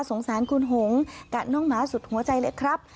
สงสารคุณหงกับน้องหมาสุดหัวใจเลยครับ